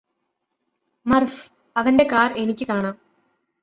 മര്ഫ് അവന്റെ കാര് എനിക്ക് കാണാം